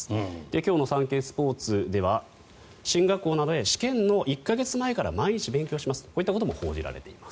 今日のサンケイスポーツでは進学校なので試験の１か月前から毎日勉強しますとこういったことも報じられています。